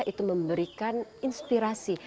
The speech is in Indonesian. itu memberikan inspirasi